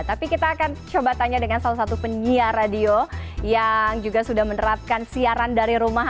tapi kita akan coba tanya dengan salah satu penyiar radio yang juga sudah menerapkan siaran dari rumah